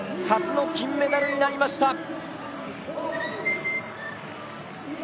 初の金メダルになりました。